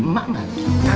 ma gak tau